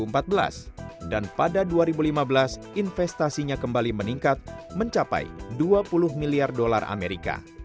pada dua ribu empat belas dan pada dua ribu lima belas investasinya kembali meningkat mencapai dua puluh miliar dolar as